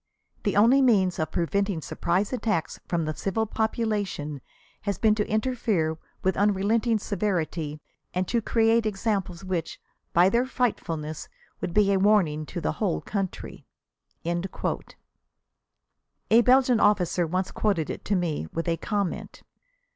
] "The only means of preventing surprise attacks from the civil population has been to interfere with unrelenting severity and to create examples which, by their frightfulness, would be a warning to the whole country." A Belgian officer once quoted it to me, with a comment.